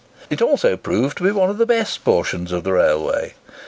It also proved to be one of the best portions of the railway.